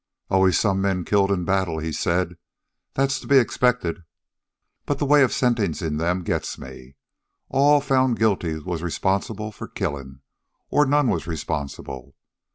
"Always some men killed in battle," he said. "That's to be expected. But the way of sentencin' 'em gets me. All found guilty was responsible for the killin'; or none was responsible.